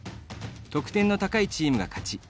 得点の高いチームが勝ち。